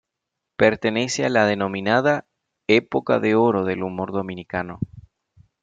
Pertenece a la denominada "Época de Oro del Humor Dominicano".